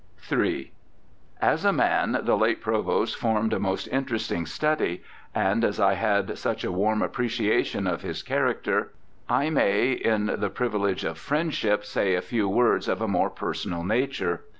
HI As a man the late Provost formed a most interesting study, and as I had such a warm appreciation of his character I may, in the privilege of friendship, say a few words of a more personal nature.